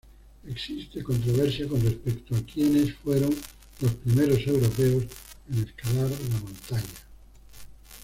Existe controversia con respecto a quienes fueron los primeros europeos en escalar la montaña.